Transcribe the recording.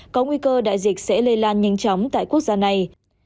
có nguy cơ đại dịch sẽ lây lan nhanh chóng tại quốc gia này